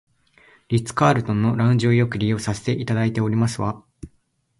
リッツカールトンのラウンジをよく利用させていただいておりますわ